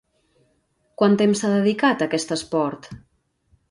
Quant temps s'ha dedicat a aquest esport?